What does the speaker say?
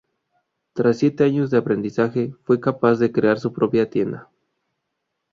Tras siete años de aprendizaje, fue capaz de crear su propia tienda.